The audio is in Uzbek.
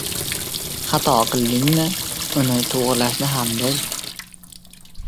• Xato qildingmi, uni to‘g‘rilashni ham bil.